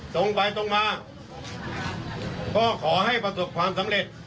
ตรงไปตรงมาก็ขอให้ประสบความสำเร็จ